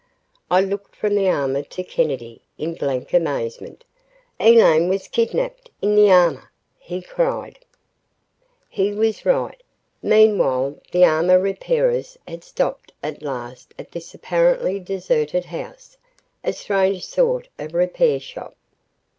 I looked from the armor to Kennedy, in blank amazement. "Elaine was kidnapped in the armor," he cried. ........ He was right. Meanwhile, the armor repairers had stopped at last at this apparently deserted house, a strange sort of repair shop.